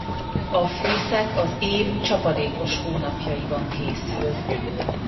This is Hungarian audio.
A fészek az év csapadékos hónapjaiban készül.